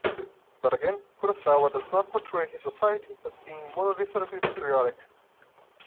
But again, Kurosawa does not portray his society as being monolithically patriotic.